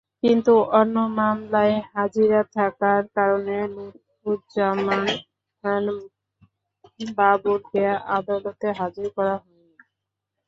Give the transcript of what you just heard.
কিন্তু অন্য মামলায় হাজিরা থাকার কারণে লুৎফুজ্জামান বাবরকে আদালতে হাজির করা হয়নি।